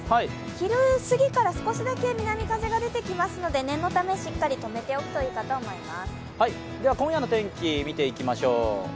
昼過ぎから少しだけ南風が出てきますので、念のためしっかりとめておくといいかと思います。